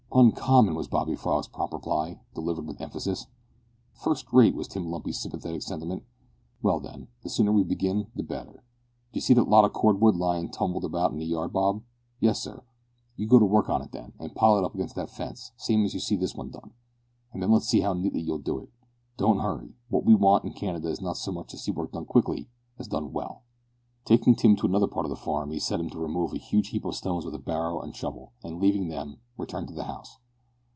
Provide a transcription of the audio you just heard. "Uncommon!" was Bobby Frog's prompt reply, delivered with emphasis. "Fust rate!" was Tim Lumpy's sympathetic sentiment. "Well, then, the sooner we begin the better. D'you see that lot of cord wood lying tumbled about in the yard, Bob?" "Yes, sir." "You go to work on it, then, and pile it up against that fence, same as you see this one done. An' let's see how neatly you'll do it. Don't hurry. What we want in Canada is not so much to see work done quickly as done well." Taking Tim to another part of the farm, he set him to remove a huge heap of stones with a barrow and shovel, and, leaving them, returned to the house.